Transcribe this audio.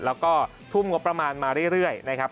แล้วก็ทุ่มงบประมาณมาเรื่อยนะครับ